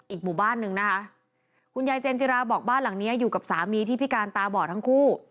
หมู่บ้านหนึ่งนะคะคุณยายเจนจิราบอกบ้านหลังนี้อยู่กับสามีที่พิการตาบอดทั้งคู่